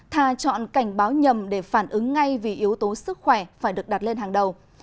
thà chọn cảnh báo nhầm để phản ứng ngay vì yếu tố sức khỏe phải được đặt lên hàng đầu